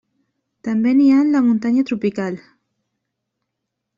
També n'hi ha en la muntanya tropical.